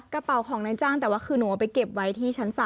กระเป๋าของนายจ้างแต่ว่าคือหนูเอาไปเก็บไว้ที่ชั้น๓